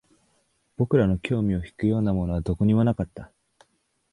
僕らの興味を引くようなものはどこにもなかった